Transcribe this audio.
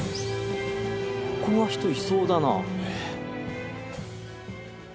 ここは人いそうだな。